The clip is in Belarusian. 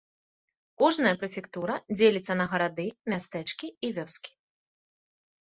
Кожная прэфектура дзеліцца на гарады, мястэчкі і вёскі.